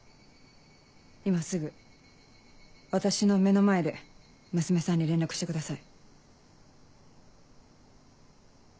今すぐ私の目の前で娘さんに連絡してください。